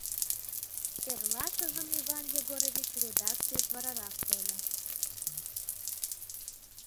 Эрлашыжым Иван Егорович редакцийыш варарак тольо.